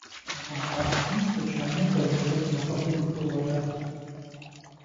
А фӀалъэм стэчан ныкъуэ е тӀэкӀу нэхъыбэ ихуэу арат.